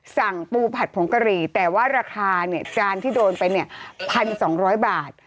สั่งปูผัดผงกะหรี่แต่ว่าราคาจานที่โดนเป็น๑๒๐๐บาท